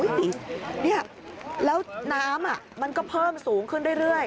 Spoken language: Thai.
นี่แล้วน้ำมันก็เพิ่มสูงขึ้นเรื่อย